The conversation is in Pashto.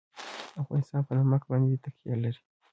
افغانستان په نمک باندې تکیه لري.